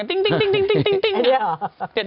อันนี้เหรอครับ